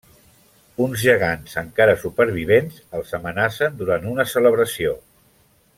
Uns gegants, encara supervivents, els amenacen durant una celebració.